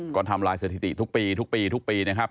ก็ทำลายสถิติทุกปีทุกปีทุกปีนะครับ